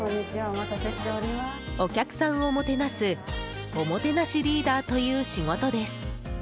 お客さんをもてなすおもてなしリーダーという仕事です。